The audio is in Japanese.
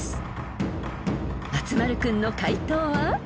［松丸君の解答は］